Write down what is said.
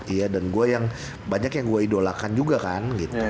iya dan gue yang banyak yang gue idolakan juga kan gitu